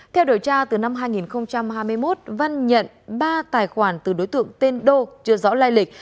theo đổi tra từ năm hai nghìn hai mươi một văn nhận ba tài khoản từ đối tượng tên đô chưa rõ lai lịch